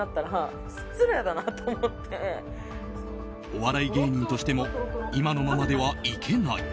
お笑い芸人としても今のままではいけない。